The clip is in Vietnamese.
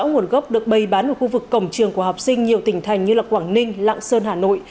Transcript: nguồn gốc được bày bán ở khu vực cổng trường của học sinh nhiều tỉnh thành như quảng ninh lạng sơn hà nội